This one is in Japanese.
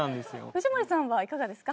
藤森さんはいかがですか？